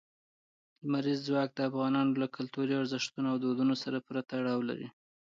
لمریز ځواک د افغانانو له کلتوري ارزښتونو او دودونو سره پوره تړاو لري.